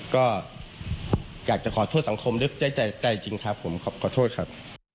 ก็อยากจะขอโทษสังคมด้วยใจจริงครับผมขอโทษครับ